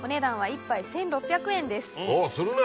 おぉするね。